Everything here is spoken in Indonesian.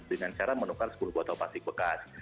dengan cara menukar sepuluh botol plastik bekas